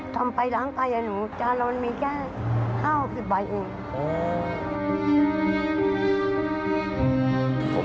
ทำไปล้างไก่จานเรามันมีแค่๕๖๐ใบหนึ่ง